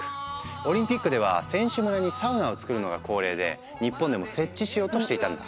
オリンピックでは選手村にサウナを作るのが恒例で日本でも設置しようとしていたんだ。